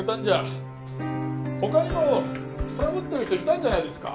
他にもトラブってる人いたんじゃないですか？